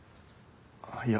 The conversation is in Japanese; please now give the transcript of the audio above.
いや。